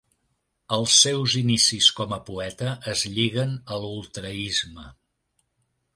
Els seus inicis com a poeta es lliguen a l'ultraisme.